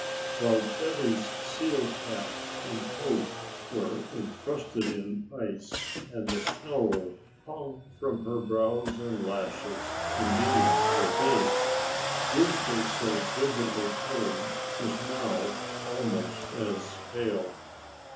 While Betty's seal cap and coat were encrusted in ice and the snow hung from her brows and lashes, indeed her face, usually so brilliantly colored, was now almost as pale.